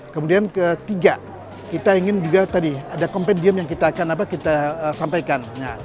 kemudian ketiga kita ingin juga tadi ada compedium yang kita akan kita sampaikan